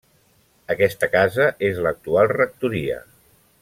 Aquesta casa és l'actual rectoria.